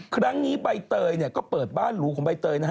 ครั้งนี้ใบเตยก็เปิดบ้านหรูของใบเตยนะฮะ